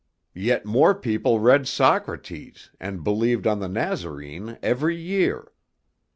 Yet more people read Socrates, and believed on the Nazarene every year.